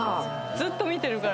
ずっと見てるから。